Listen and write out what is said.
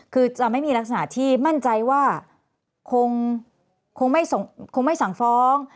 คือจะไม่มีลักษณะที่มั่นใจว่าคงไม่สั่งฟ้อง